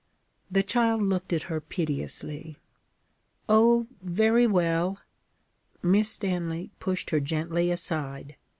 The child looked at her piteously. 'Oh, very well!' Miss Stanley pushed her gently aside.